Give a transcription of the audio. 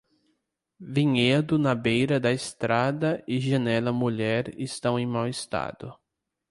Vinhedo na beira da estrada e janela mulher estão em mau estado.